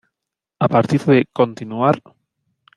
A partir de "Continuar...